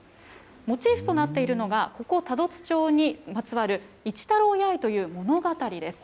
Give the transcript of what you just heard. モチーフとなっているのがここ多度津町にまつわるいちたろうやあいという物語です。